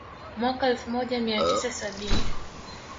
Mwaka elfu moja mia tisa sabini